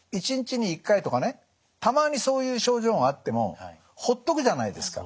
たまにそういう症状があってもほっとくじゃないですか。